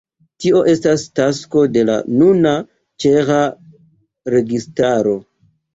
Tio estas tasko de la nuna ĉeĥa registaro.